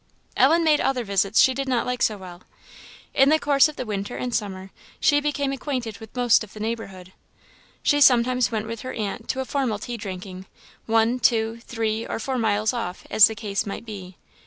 Ellen made other visits she did not like so well. In the course of the winter and summer she became acquainted with most of the neighbourhood. She sometimes went with her aunt to a formal tea drinking, one, two, three, or four miles off, as the case might be.